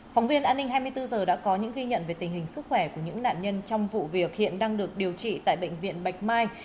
phóng viên an ninh hai mươi bốn h đã có những ghi nhận về tình hình sức khỏe của những nạn nhân trong vụ việc hiện đang được điều trị tại bệnh viện bạch mai